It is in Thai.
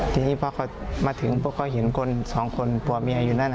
ทีนี้พอเขามาถึงปุ๊บเขาเห็นคนสองคนผัวเมียอยู่นั่น